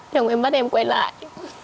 chồng em bắt em quay lại